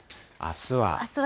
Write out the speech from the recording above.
あすは。